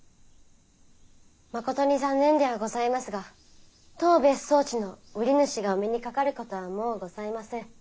まことに残念ではございますが当別荘地の売り主がお目にかかることはもうございません。